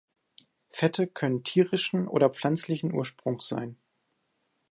Fette können tierischen oder pflanzlichen Ursprungs sein.